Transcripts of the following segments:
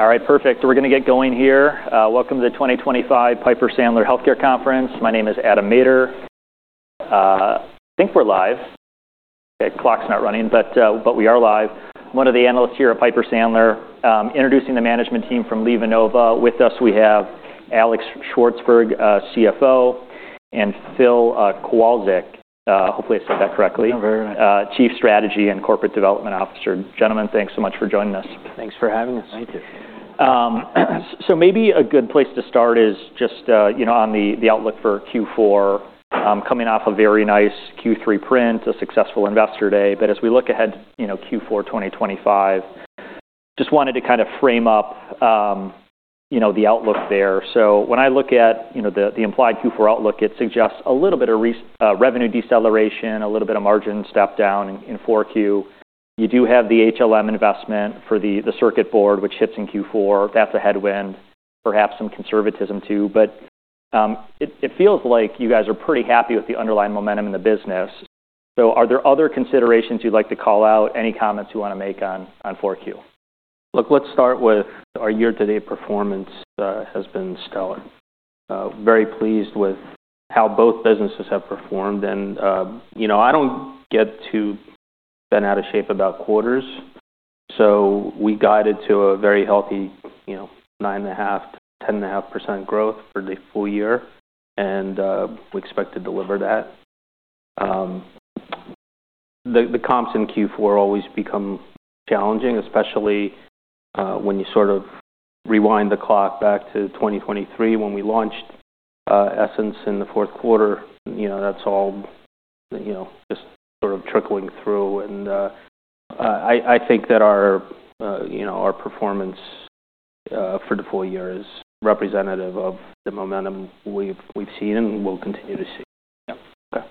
All right, perfect. We're going to get going here. Welcome to the 2025 Piper Sandler Healthcare Conference. My name is Adam Maeder. I think we're live. Okay, clock's not running, but, but we are live. I'm one of the analysts here at Piper Sandler. Introducing the management team from LivaNova. With us, we have Alex Shvartsburg, CFO, and Phil Kowalczyk. Hopefully I said that correctly. Very right. Chief Strategy and Corporate Development Officer. Gentlemen, thanks so much for joining us. Thanks for having us. Thank you. So maybe a good place to start is just, you know, on the outlook for Q4, coming off a very nice Q3 print, a successful investor day. But as we look ahead, you know, Q4 2025, just wanted to kind of frame up, you know, the outlook there. So when I look at, you know, the implied Q4 outlook, it suggests a little bit of revenue deceleration, a little bit of margin step down in 4Q. You do have the HLM investment for the circuit board, which hits in Q4. That's a headwind. Perhaps some conservatism too. But it feels like you guys are pretty happy with the underlying momentum in the business. So are there other considerations you'd like to call out? Any comments you want to make on 4Q? Look, let's start with our year-to-date performance, has been stellar. Very pleased with how both businesses have performed. And, you know, I don't get too bent out of shape about quarters. So we guided to a very healthy, you know, 9.5%-10.5% growth for the full year. And, we expect to deliver that. The comps in Q4 always become challenging, especially, when you sort of rewind the clock back to 2023 when we launched Essence in the fourth quarter. You know, that's all, you know, just sort of trickling through. And, I think that our, you know, our performance for the full year is representative of the momentum we've seen and will continue to see. Yeah. Okay.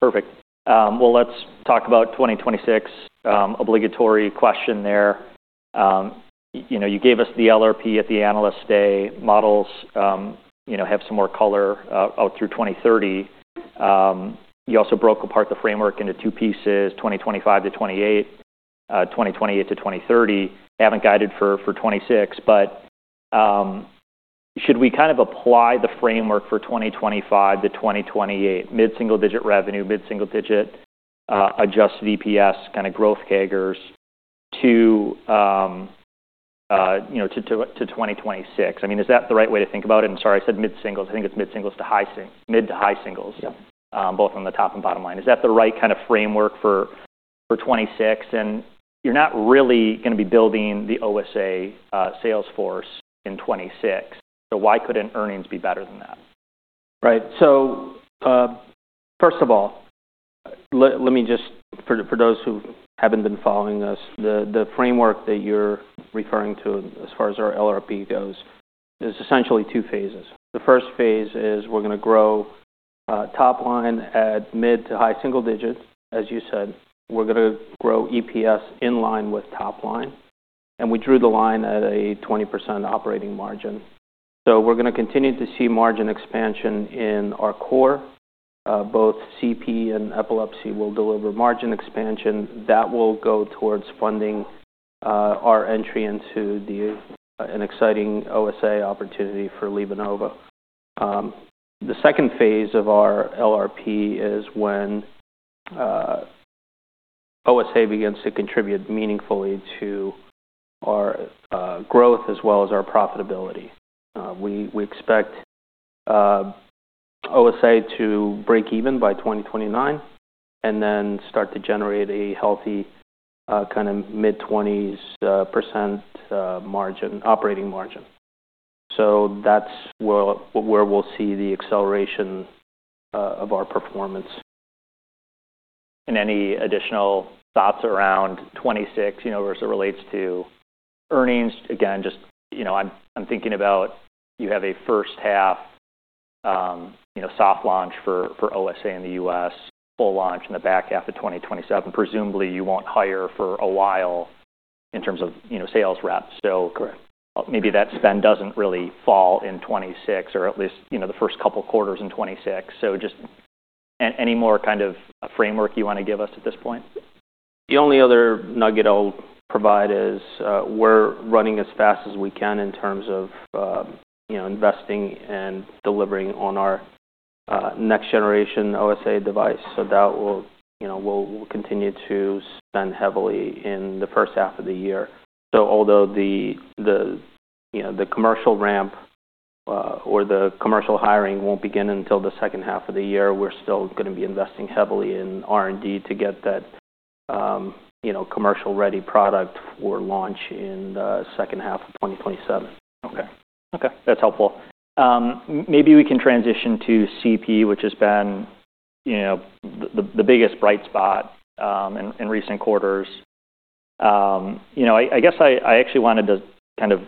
Perfect. Well, let's talk about 2026, obligatory question there. You know, you gave us the LRP at the Investor Day. Models, you know, have some more color out through 2030. You also broke apart the framework into two pieces: 2025 to 2028, 2028 to 2030. Haven't guided for 2026. But should we kind of apply the framework for 2025 to 2028, mid-single-digit revenue, mid-single-digit adjusted EPS, kind of growth CAGRs to, you know, to 2026? I mean, is that the right way to think about it? I'm sorry, I said mid-singles. I think it's mid-singles to high-single-mid- to high singles. Yeah. both on the top and bottom line. Is that the right kind of framework for 2026? And you're not really going to be building the OSA sales force in 2026. So why couldn't earnings be better than that? Right. So, first of all, let me just, for those who haven't been following us, the framework that you're referring to as far as our LRP goes is essentially two phases. The first phase is we're going to grow top line at mid- to high-single digits. As you said, we're going to grow EPS in line with top line. And we drew the line at a 20% operating margin. So we're going to continue to see margin expansion in our core. Both CP and Epilepsy will deliver margin expansion. That will go towards funding our entry into an exciting OSA opportunity for LivaNova. The second phase of our LRP is when OSA begins to contribute meaningfully to our growth as well as our profitability. We expect OSA to break even by 2029 and then start to generate a healthy, kind of mid-20s% margin, operating margin. So that's what where we'll see the acceleration of our performance. Any additional thoughts around 2026, you know, as it relates to earnings? Again, just, you know, I'm thinking about you have a first half, you know, soft launch for OSA in the U.S., full launch in the back half of 2027. Presumably, you won't hire for a while in terms of, you know, sales reps. So. Correct. Maybe that spend doesn't really fall in 2026, or at least, you know, the first couple quarters in 2026. So just any more kind of a framework you want to give us at this point? The only other nugget I'll provide is, we're running as fast as we can in terms of, you know, investing and delivering on our next-generation OSA device. So that will, you know, we'll continue to spend heavily in the first half of the year. So although the, you know, the commercial ramp, or the commercial hiring won't begin until the second half of the year, we're still going to be investing heavily in R&D to get that, you know, commercial-ready product for launch in the second half of 2027. Okay. Okay. That's helpful. Maybe we can transition to CP, which has been, you know, the biggest bright spot in recent quarters. You know, I guess I actually wanted to kind of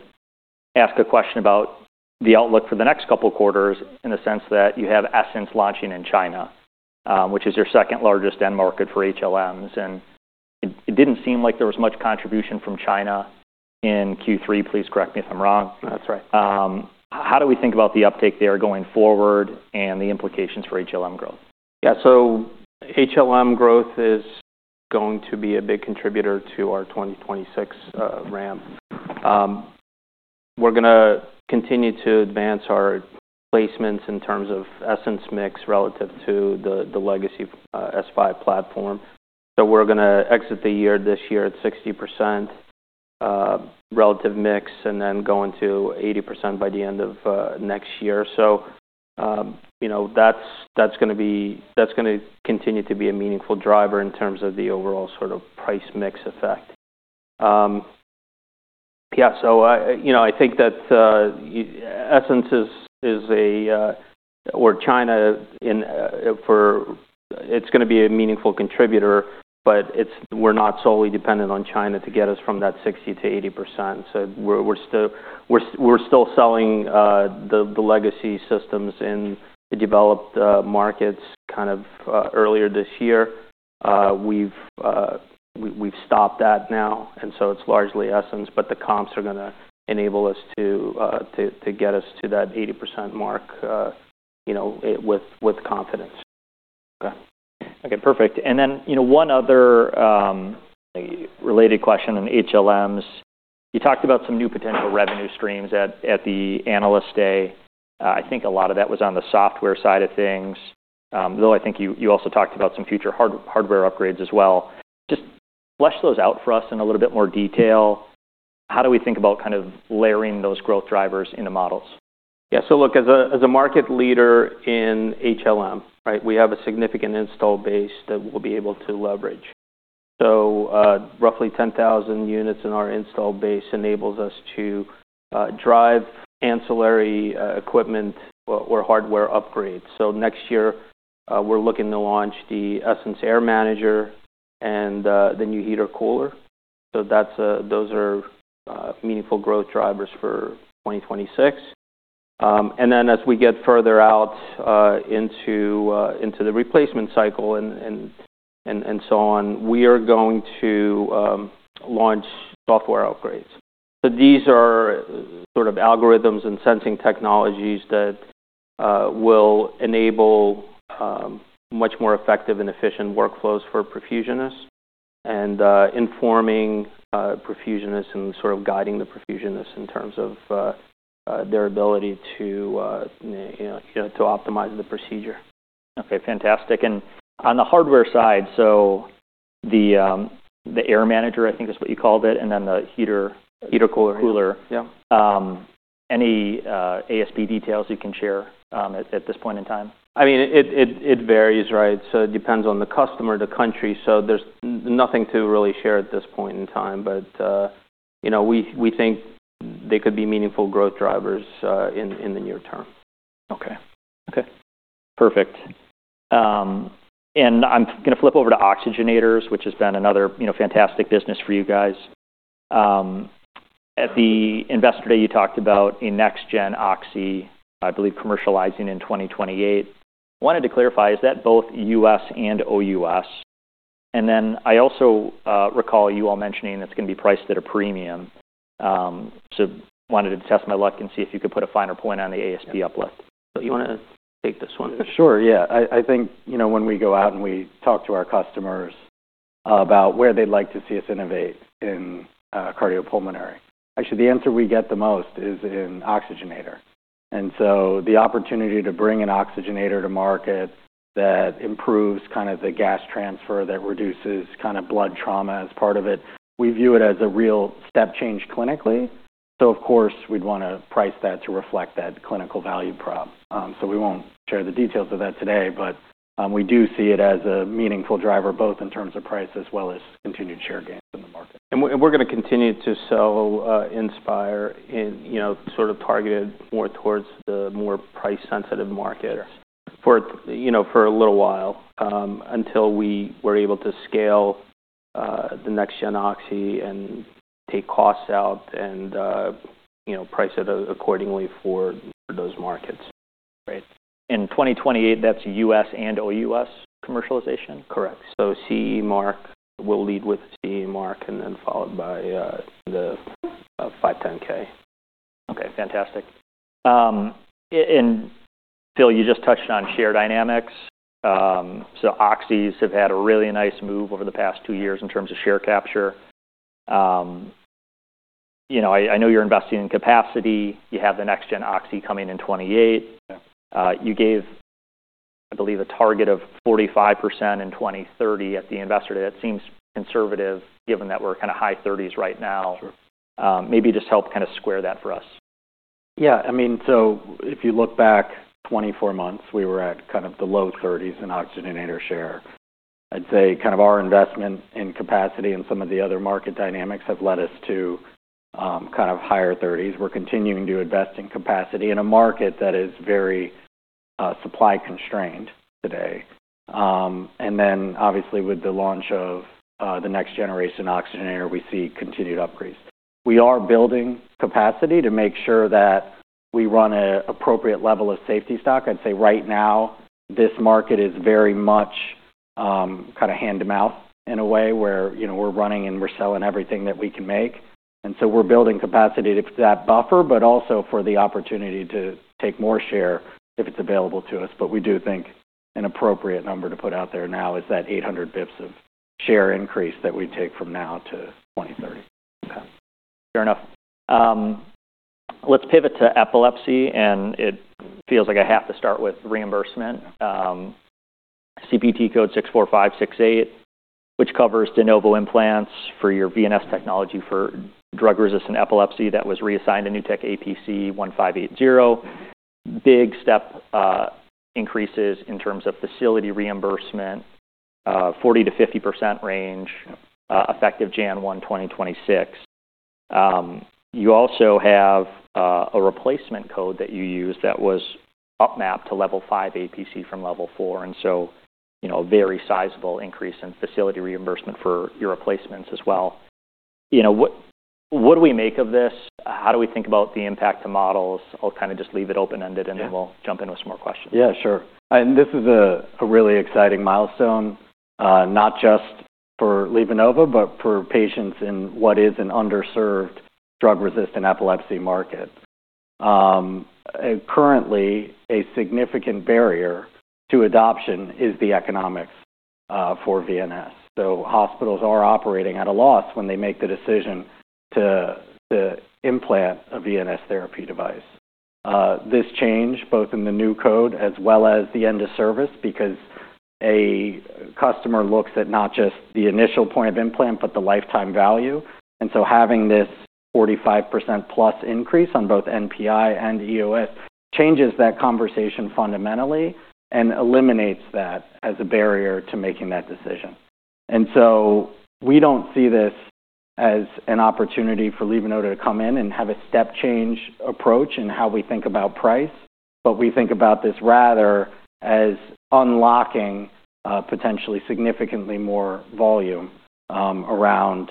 ask a question about the outlook for the next couple quarters in the sense that you have Essence launching in China, which is your second largest end market for HLMs. And it didn't seem like there was much contribution from China in Q3. Please correct me if I'm wrong. That's right. How do we think about the uptake there going forward and the implications for HLM growth? Yeah. So HLM growth is going to be a big contributor to our 2026 ramp. We're going to continue to advance our placements in terms of Essence mix relative to the legacy S5 platform. So we're going to exit the year this year at 60% relative mix, and then go into 80% by the end of next year. So, you know, that's going to continue to be a meaningful driver in terms of the overall sort of price mix effect. Yeah. So, you know, I think that Essence, or China in 2026, it's going to be a meaningful contributor, but we're not solely dependent on China to get us from that 60%- 80%. So we're still selling the legacy systems in the developed markets kind of earlier this year. We've stopped that now. And so it's largely Essence, but the comps are going to enable us to get us to that 80% mark, you know, with confidence. Okay. Okay. Perfect. And then, you know, one other, related question on HLMs. You talked about some new potential revenue streams at the Analyst Day. I think a lot of that was on the software side of things, though I think you also talked about some future hardware upgrades as well. Just flesh those out for us in a little bit more detail. How do we think about kind of layering those growth drivers into models? Yeah. So look, as a market leader in HLM, right, we have a significant install base that we'll be able to leverage. So, roughly 10,000 units in our install base enables us to drive ancillary equipment or hardware upgrades. So next year, we're looking to launch the Essence Air Manager and the new heater/cooler. So that's those are meaningful growth drivers for 2026, and then as we get further out into the replacement cycle and so on, we are going to launch software upgrades. So these are sort of algorithms and sensing technologies that will enable much more effective and efficient workflows for perfusionists and informing perfusionists and sort of guiding the perfusionists in terms of their ability to you know to optimize the procedure. Okay. Fantastic. And on the hardware side, so the Air Manager, I think is what you called it, and then the heater. Heater/cooler. Heater/cooler. Yeah. Any ASP details you can share at this point in time? I mean, it varies, right? So it depends on the customer, the country. So there's nothing to really share at this point in time. But, you know, we think they could be meaningful growth drivers, in the near term. Okay. Okay. Perfect. And I'm going to flip over to oxygenators, which has been another, you know, fantastic business for you guys. At the Investor Day, you talked about a next-gen oxy, I believe, commercializing in 2028. Wanted to clarify, is that both U.S. and OUS? And then I also recall you all mentioning it's going to be priced at a premium. So wanted to test my luck and see if you could put a finer point on the ASP uplift. You want to take this one? Sure. Yeah. I think, you know, when we go out and we talk to our customers about where they'd like to see us innovate in cardiopulmonary, actually, the answer we get the most is in oxygenator. And so the opportunity to bring an oxygenator to market that improves kind of the gas transfer, that reduces kind of blood trauma as part of it, we view it as a real step change clinically. So, of course, we'd want to price that to reflect that clinical value prop. So we won't share the details of that today. But, we do see it as a meaningful driver, both in terms of price as well as continued share gains in the market. We're going to continue to sell Inspire in, you know, sort of targeted more towards the more price-sensitive market for, you know, for a little while, until we were able to scale the next-gen oxy and take costs out and, you know, price it accordingly for those markets. Great. In 2028, that's U.S. and OUS commercialization? Correct. So CE Mark will lead with CE Mark and then followed by the 510(k). Okay. Fantastic. And Phil, you just touched on share dynamics so oxys have had a really nice move over the past two years in terms of share capture. You know, I know you're investing in capacity. You have the next-gen oxy coming in 2028. Yeah. You gave, I believe, a target of 45% in 2030 at the Investor Day. That seems conservative given that we're kind of high 30s right now. Sure. Maybe just help kind of square that for us. Yeah. I mean, so if you look back 24 months, we were at kind of the low 30s% in oxygenator share. I'd say kind of our investment in capacity and some of the other market dynamics have led us to kind of higher 30s%. We're continuing to invest in capacity in a market that is very supply-constrained today, and then obviously with the launch of the next-generation oxygenator, we see continued upgrades. We are building capacity to make sure that we run an appropriate level of safety stock. I'd say right now, this market is very much kind of hand-to-mouth in a way where you know, we're running and we're selling everything that we can make. And so we're building capacity to that buffer, but also for the opportunity to take more share if it's available to us. We do think an appropriate number to put out there now is that 800 basis points of share increase that we take from now to 2030. Okay. Fair enough. Let's pivot to epilepsy. And it feels like I have to start with reimbursement. CPT code 64568, which covers de novo implants for your VNS technology for drug-resistant epilepsy that was reassigned to New Technology APC 1580. Big step, increases in terms of facility reimbursement, 40%-50% range, effective January 1, 2026. You also have a replacement code that you use that was up-mapped to level 5 APC from level 4. And so, you know, a very sizable increase in facility reimbursement for your replacements as well. You know, what do we make of this? How do we think about the impact to models? I'll kind of just leave it open-ended and then we'll jump in with some more questions. Yeah. Sure. And this is a really exciting milestone, not just for LivaNova, but for patients in what is an underserved drug-resistant epilepsy market. Currently, a significant barrier to adoption is the economics for VNS. So hospitals are operating at a loss when they make the decision to implant a VNS Therapy device. This change, both in the new code as well as the end of service, because a customer looks at not just the initial point of implant, but the lifetime value. And so having this 45%+ increase on both NPI and EOS changes that conversation fundamentally and eliminates that as a barrier to making that decision. And so we don't see this as an opportunity for LivaNova to come in and have a step change approach in how we think about price, but we think about this rather as unlocking, potentially significantly more volume, around,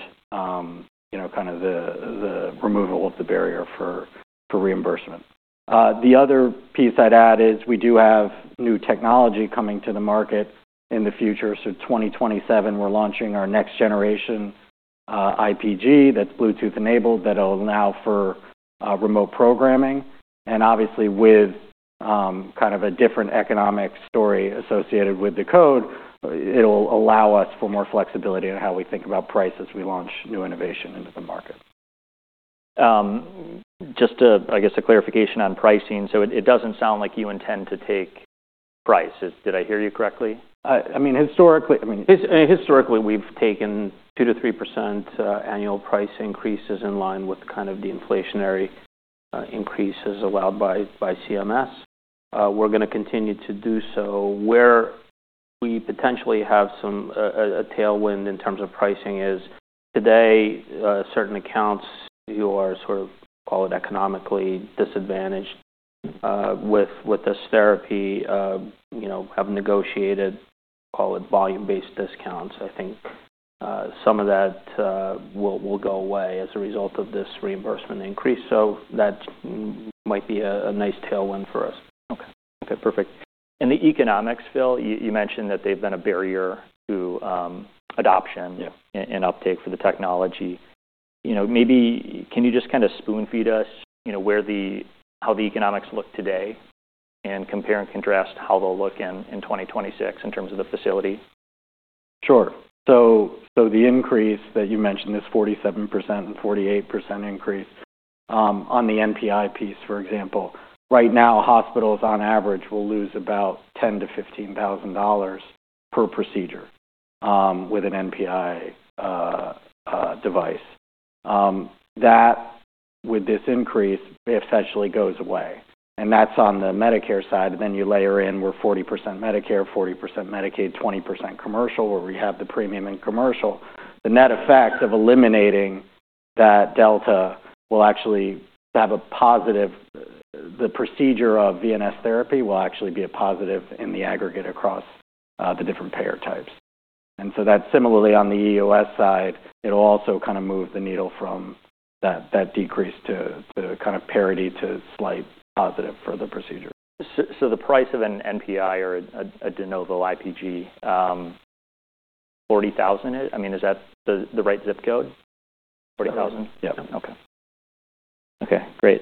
you know, kind of the removal of the barrier for reimbursement. The other piece I'd add is we do have new technology coming to the market in the future. So 2027, we're launching our next-generation IPG that's Bluetooth-enabled that'll allow for remote programming. And obviously, with kind of a different economic story associated with the code, it'll allow us for more flexibility in how we think about price as we launch new innovation into the market. Just a, I guess, clarification on pricing. So it doesn't sound like you intend to take price. Did I hear you correctly? I mean, historically, we've taken 2%-3% annual price increases in line with kind of the inflationary increases allowed by CMS. We're going to continue to do so. Where we potentially have some tailwind in terms of pricing is today, certain accounts who are sort of call it economically disadvantaged with this therapy, you know, have negotiated call it volume-based discounts. I think some of that will go away as a result of this reimbursement increase. So that might be a nice tailwind for us. Okay. Perfect, and the economics, Phil, you mentioned that they've been a barrier to adoption. Yeah. Uptake for the technology. You know, maybe can you just kind of spoon-feed us, you know, where how the economics look today and compare and contrast how they'll look in 2026 in terms of the facility? Sure. So the increase that you mentioned, this 47% and 48% increase, on the NPI piece, for example, right now, hospitals on average will lose about $10,000-$15,000 per procedure, with an NPI device. That, with this increase, essentially goes away. And that's on the Medicare side. And then you layer in, we're 40% Medicare, 40% Medicaid, 20% commercial, where we have the premium and commercial. The net effect of eliminating that delta will actually have a positive the procedure of VNS Therapy will actually be a positive in the aggregate across the different payer types. And so that's similarly on the EOS side. It'll also kind of move the needle from that decrease to kind of parity to slight positive for the procedure. So, the price of an NPI or a de novo IPG, $40,000? I mean, is that the right zip code? $40,000? Yeah. Yeah. Okay. Great.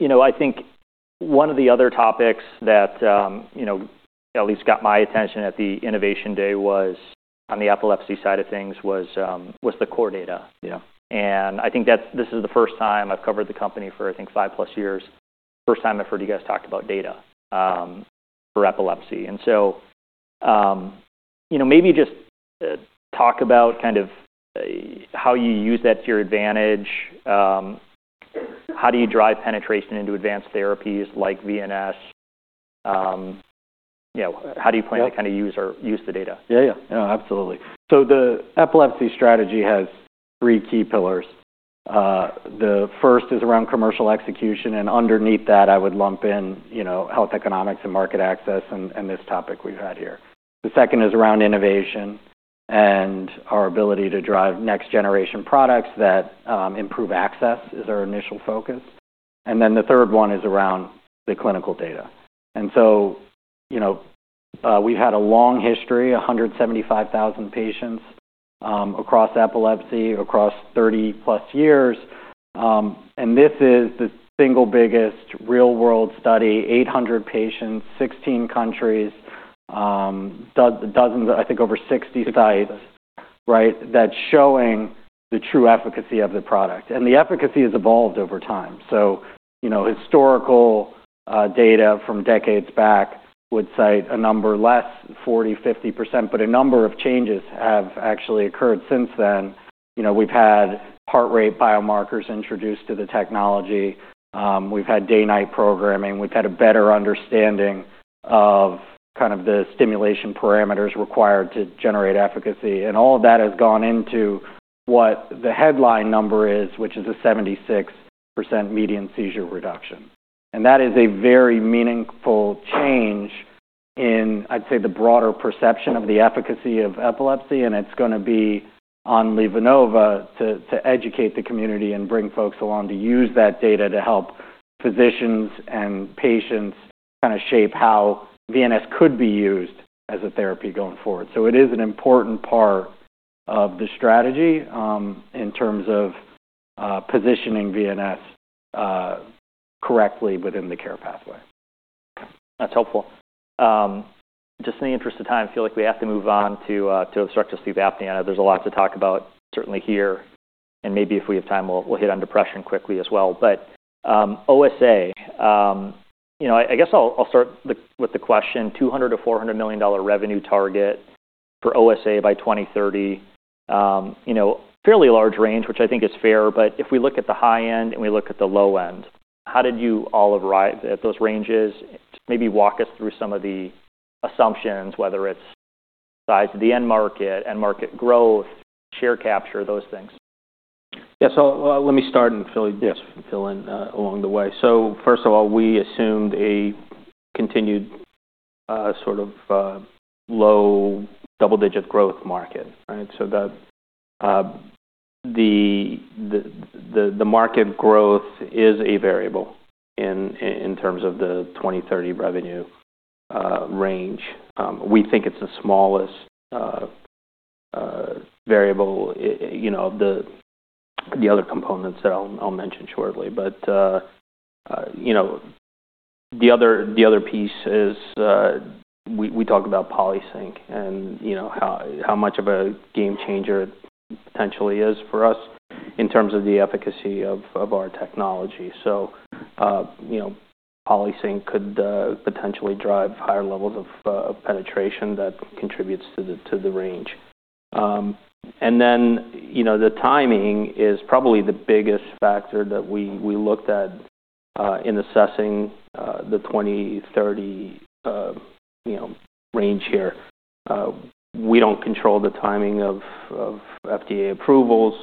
You know, I think one of the other topics that, you know, at least got my attention at the Investor Day was on the epilepsy side of things, the core data. Yeah. I think that this is the first time I've covered the company for, I think, 5+ years, first time I've heard you guys talk about data for epilepsy. So, you know, maybe just talk about kind of how you use that to your advantage. How do you drive penetration into advanced therapies like VNS? You know, how do you plan to kind of use the data? Yeah. Yeah. No, absolutely. So the epilepsy strategy has three key pillars. The first is around commercial execution. And underneath that, I would lump in, you know, health economics and market access and, and this topic we've had here. The second is around innovation and our ability to drive next-generation products that, improve access is our initial focus. And then the third one is around the clinical data. And so, you know, we've had a long history, 175,000 patients, across epilepsy across 30+ years. And this is the single biggest real-world study, 800 patients, 16 countries, dozens, I think, over 60 sites, right, that's showing the true efficacy of the product. And the efficacy has evolved over time. So, you know, historical data from decades back would cite a number less 40%, 50%, but a number of changes have actually occurred since then. You know, we've had heart rate biomarkers introduced to the technology. We've had day-night programming. We've had a better understanding of kind of the stimulation parameters required to generate efficacy. And all of that has gone into what the headline number is, which is a 76% median seizure reduction. And that is a very meaningful change in, I'd say, the broader perception of the efficacy of epilepsy. And it's going to be on LivaNova to educate the community and bring folks along to use that data to help physicians and patients kind of shape how VNS could be used as a therapy going forward. So it is an important part of the strategy, in terms of, positioning VNS correctly within the care pathway. Okay. That's helpful. Just in the interest of time, I feel like we have to move on to obstructive sleep apnea. I know there's a lot to talk about certainly here. And maybe if we have time, we'll hit on depression quickly as well. But, OSA, you know, I guess I'll start with the question: $200 million-$400 million revenue target for OSA by 2030, you know, fairly large range, which I think is fair. But if we look at the high end and we look at the low end, how did you all arrive at those ranges? Maybe walk us through some of the assumptions, whether it's size of the end market, end market growth, share capture, those things. Yeah. So, let me start and Phil will fill in along the way. So first of all, we assumed a continued, sort of, low double-digit growth market, right? So that the market growth is a variable in terms of the 2030 revenue range. We think it's the smallest variable, you know, of the other components that I'll mention shortly. But, you know, the other piece is we talk about PolySync and, you know, how much of a game changer it potentially is for us in terms of the efficacy of our technology. So, you know, PolySync could potentially drive higher levels of penetration that contributes to the range. And then, you know, the timing is probably the biggest factor that we looked at in assessing the 2030 range here. We don't control the timing of FDA approvals.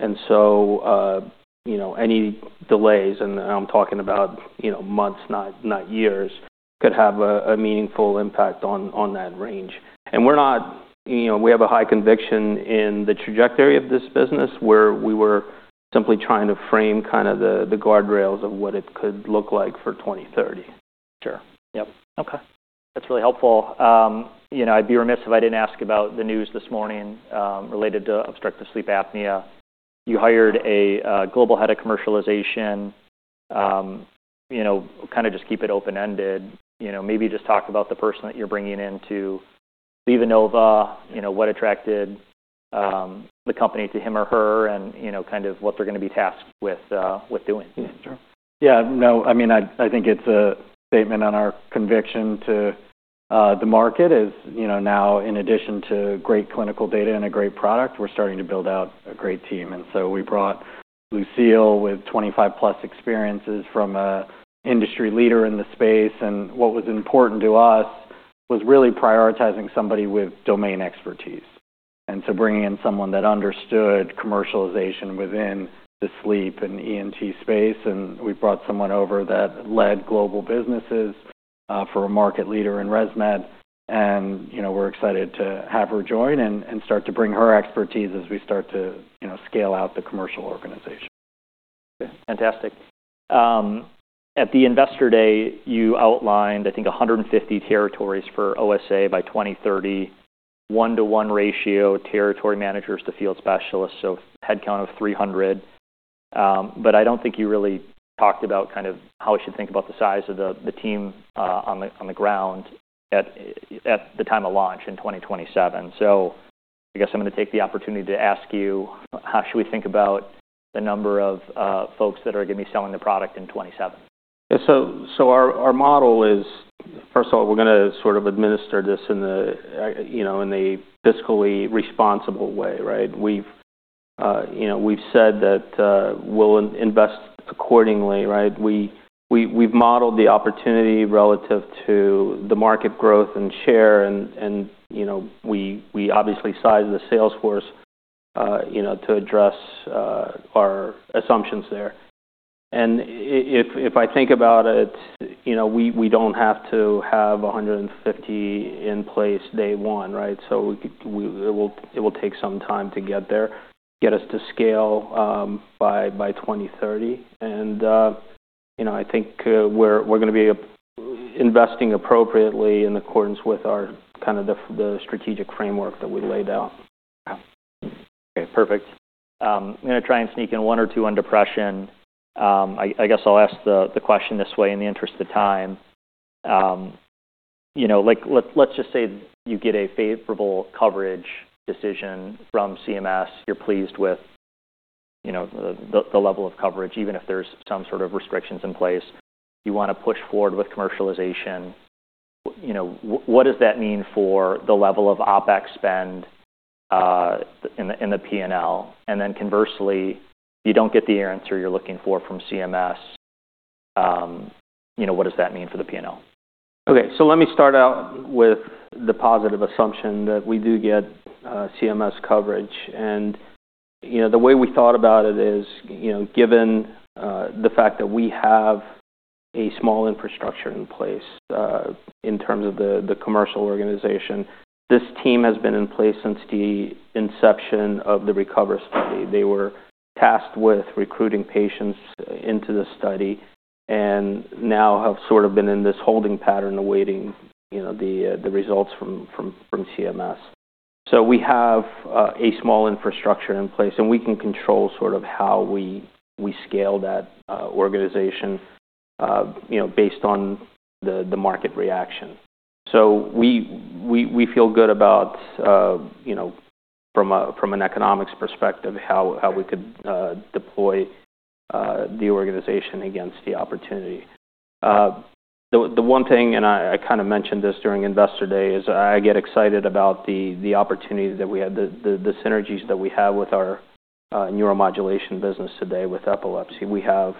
And so, you know, any delays, and I'm talking about, you know, months, not years, could have a meaningful impact on that range. And we're not, you know, we have a high conviction in the trajectory of this business where we were simply trying to frame kind of the guardrails of what it could look like for 2030. Sure. Yep. Okay. That's really helpful. You know, I'd be remiss if I didn't ask about the news this morning, related to obstructive sleep apnea. You hired a global head of commercialization. You know, kind of just keep it open-ended. You know, maybe just talk about the person that you're bringing into LivaNova, you know, what attracted the company to him or her and, you know, kind of what they're going to be tasked with doing. Yeah. Sure. Yeah. No. I mean, I think it's a statement on our conviction to the market is, you know, now, in addition to great clinical data and a great product, we're starting to build out a great team. And so we brought Lucile with 25+ experiences from an industry leader in the space. And what was important to us was really prioritizing somebody with domain expertise. And so bringing in someone that understood commercialization within the sleep and ENT space. And we brought someone over that led global businesses, for a market leader in ResMed. And, you know, we're excited to have her join and start to bring her expertise as we start to, you know, scale out the commercial organization. Okay. Fantastic. At the investor day, you outlined, I think, 150 territories for OSA by 2030, one-to-one ratio territory managers to field specialists, so headcount of 300. But I don't think you really talked about kind of how we should think about the size of the, the team, on the, on the ground at, at the time of launch in 2027. So I guess I'm going to take the opportunity to ask you, how should we think about the number of, folks that are going to be selling the product in 2027? Yeah. So our model is, first of all, we're going to sort of administer this in the, you know, in a fiscally responsible way, right? We've, you know, said that we'll invest accordingly, right? We've modeled the opportunity relative to the market growth and share. And, you know, we obviously size the sales force, you know, to address our assumptions there. And if I think about it, you know, we don't have to have 150 in place day one, right? So it will take some time to get there, get us to scale, by 2030. And, you know, I think we're going to be investing appropriately in accordance with our kind of the strategic framework that we laid out. Okay. Okay. Perfect. I'm going to try and sneak in one or two on depression. I guess I'll ask the question this way in the interest of time. You know, like, let's just say you get a favorable coverage decision from CMS, you're pleased with, you know, the level of coverage, even if there's some sort of restrictions in place. You want to push forward with commercialization. You know, what does that mean for the level of OpEx spend, in the P&L? And then conversely, you don't get the answer you're looking for from CMS. You know, what does that mean for the P&L? Okay. So let me start out with the positive assumption that we do get CMS coverage. And you know, the way we thought about it is, you know, given the fact that we have a small infrastructure in place, in terms of the commercial organization, this team has been in place since the inception of the RECOVER study. They were tasked with recruiting patients into the study and now have sort of been in this holding pattern awaiting, you know, the results from CMS. So we have a small infrastructure in place. And we can control sort of how we scale that organization, you know, based on the market reaction. So we feel good about, you know, from an economics perspective, how we could deploy the organization against the opportunity. The one thing—and I kind of mentioned this during Investor Day—is I get excited about the opportunity that we have, the synergies that we have with our neuromodulation business today with epilepsy. We have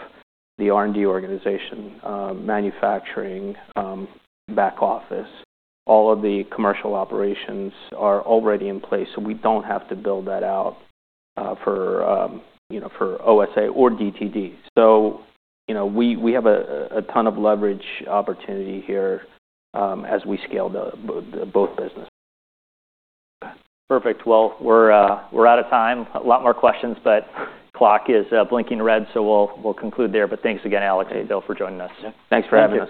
the R&D organization, manufacturing, back office. All of the commercial operations are already in place. So we don't have to build that out, for, you know, for OSA or DTD. So, you know, we have a ton of leverage opportunity here, as we scale the both businesses. Okay. Perfect. Well, we're out of time. A lot more questions, but clock is blinking red. So we'll conclude there. But thanks again, Alex, as well, for joining us. Yeah. Thanks for having me.